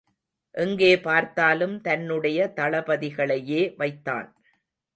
எங்கே பார்த்தாலும் தன்னுடைய தளபதிகளையே வைத்தான்.